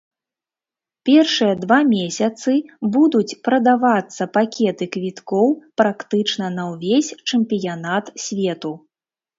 Першыя два месяцы будуць прадавацца пакеты квіткоў практычна на ўвесь чэмпіянат свету.